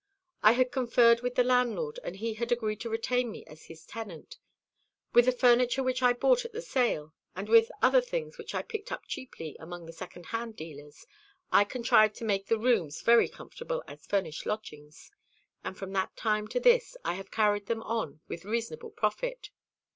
I had conferred with the landlord, and he had agreed to retain me as his tenant. With the furniture which I bought at the sale, and with other things which I picked up cheaply among the secondhand dealers, I contrived to make the rooms very comfortable as furnished lodgings, and from that time to this I have carried them on with reasonable profit.